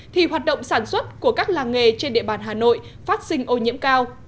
thì hoạt động sản xuất của các làng nghề trên địa bàn hà nội phát sinh ô nhiễm cao